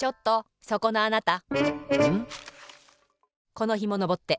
このひものぼって。